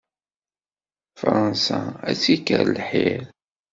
Fransa ad tt-ikker lḥir.